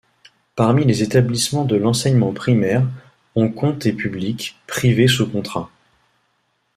Parmi les établissements de l’enseignement primaire, on compte et publiques, privées sous contrat.